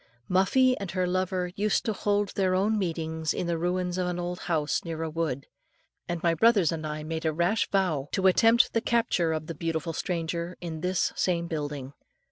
Muffie and her lover used to hold their meetings in the ruins of an old house near a wood, and my brothers and I made a rash vow, to attempt the capture of the beautiful stranger in this same building.